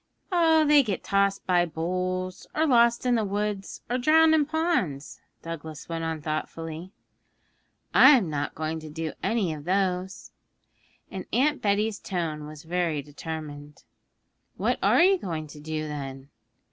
'They get tossed by bulls, or lost in the woods, or drowned in ponds,' Douglas went on thoughtfully. 'I'm not going to do any of those.' And Betty's tone was very determined. 'What are you going to do, then?'